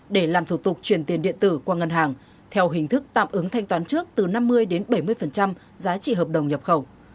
để làm thủ tục chuyển tiền điện tử qua ngân hàng theo hình thức tạm ứng thanh toán trước từ năm mươi đến bảy mươi giá trị hợp đồng nhập khẩu